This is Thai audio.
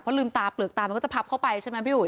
ลืมตาเปลือกตามันก็จะพับเข้าไปใช่ไหมพี่อุ๋